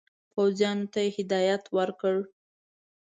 پوځیانو ته یې هدایت ورکړ.